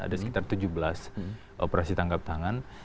ada sekitar tujuh belas operasi tangkap tangan